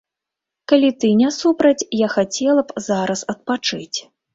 Калі ты не супраць, я хацела б зараз адпачыць